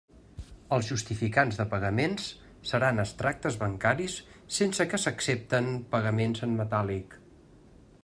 Els justificants de pagaments seran extractes bancaris sense que s'accepten pagaments en metàl·lic.